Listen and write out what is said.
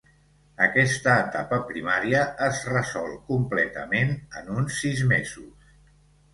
Aquesta etapa primària es resol completament en uns sis mesos.